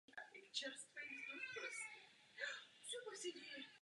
Brzy začal pořádat koncertní turné po německých městech.